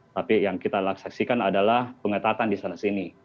tapi yang kita laksaksikan adalah pengetatan di sana sini